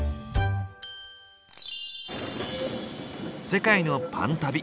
世界のパン旅